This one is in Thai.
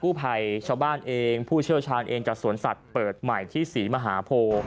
ผู้ภัยชาวบ้านเองผู้เชี่ยวชาญเองจากสวนสัตว์เปิดใหม่ที่ศรีมหาโพ